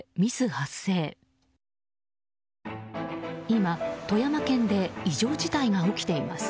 今、富山県で異常事態が起きています。